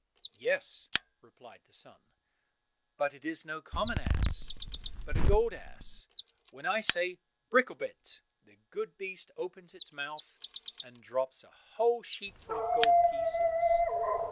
"Yes," replied the son, "but it is no common ass, but a gold ass, when I say 'Bricklebrit,' the good beast opens its mouth and drops a whole sheetful of gold pieces.